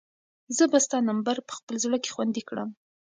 زه به ستا نمبر په خپل زړه کې خوندي کړم.